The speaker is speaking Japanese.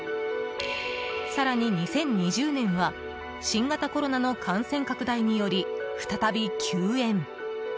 更に、２０２０年は新型コロナの感染拡大により再び休園。